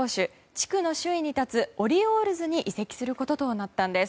地区の首位に立つオリオールズに移籍することになったんです。